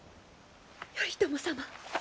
頼朝様！